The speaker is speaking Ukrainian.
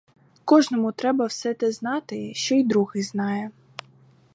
Кожному треба все те знати, що й другий знає.